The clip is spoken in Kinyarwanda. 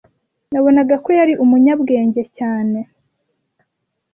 Nabonaga ko yari umunyabwenge cyane.